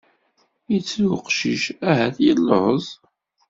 Yettru uqcic, ahat yelluẓ?